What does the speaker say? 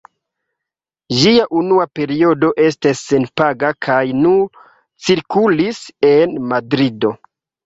Ĝia unua periodo estis senpaga kaj nur cirkulis en Madrido.